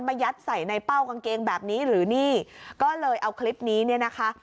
ยัดใส่ในเป้ากางเกงแบบนี้หรือนี่ก็เลยเอาคลิปนี้เนี่ยนะคะ